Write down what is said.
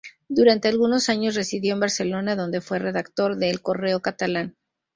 Durante algunos años residió en Barcelona, donde fue redactor de "El Correo Catalán".